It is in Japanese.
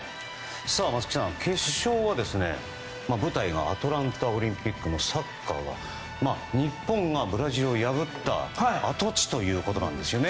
松木さん、決勝は舞台がアトランタオリンピックのサッカーで日本がブラジルを破った跡地ということなんですよね。